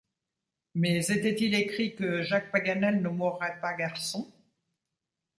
Mais était-il écrit que Jacques Paganel ne mourrait pas garçon?